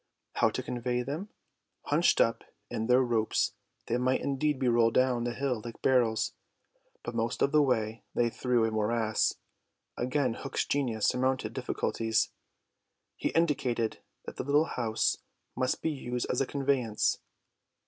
How to convey them? Hunched up in their ropes they might indeed be rolled down hill like barrels, but most of the way lay through a morass. Again Hook's genius surmounted difficulties. He indicated that the little house must be used as a conveyance.